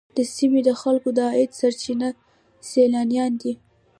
د سیمې د خلکو د عاید سرچینه سیلانیان دي.